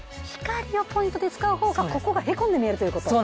光をポイントで使う方がここがへこんで見えるという事？